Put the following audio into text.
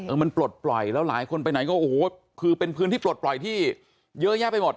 มันปลดปล่อยแล้วหลายคนไปไหนก็โอ้โหคือเป็นพื้นที่ปลดปล่อยที่เยอะแยะไปหมด